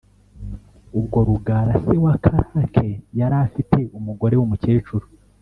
ubwo rugara se wa karake yari afite umugore w’umukecuru